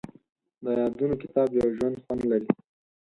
د یادونو کتاب یو ژور خوند لري.